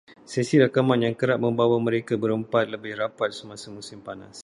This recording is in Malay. Sesi rakaman yang kerap membawa mereka berempat lebih rapat semasa musim panas